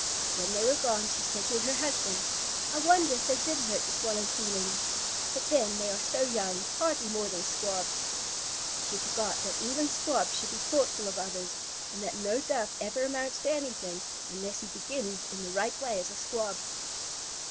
When they were gone, she said to her husband, "I wonder if they did hurt the Swallow's feelings? But then, they are so young, hardly more than Squabs." She forgot that even Squabs should be thoughtful of others, and that no Dove ever amounts to anything unless he begins in the right way as a Squab.